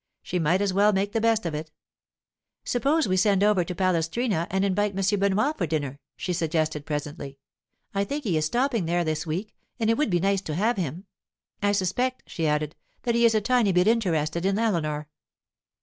She might as well make the best of it. 'Suppose we send over to Palestrina and invite M. Benoit for dinner,' she suggested presently. 'I think he is stopping there this week, and it would be nice to have him. I suspect,' she added, 'that he is a tiny bit interested in Eleanor.